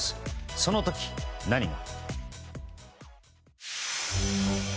その時、何が。